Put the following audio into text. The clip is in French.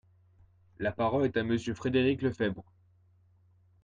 La parole est à Monsieur Frédéric Lefebvre.